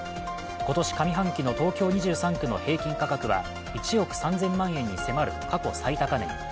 今年上半期の東京２３区の平均価格は１億３０００万円に迫る過去最高値に。